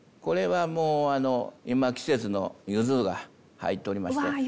これはもうあの今季節の柚子が入っておりまして。